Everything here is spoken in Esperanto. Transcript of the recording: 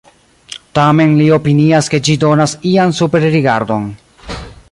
Tamen li opinias ke ĝi donas ian superrigardon.